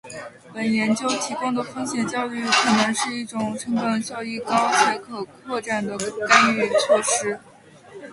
本研究提供的风险教育可能是一种成本效益高且可扩展的干预措施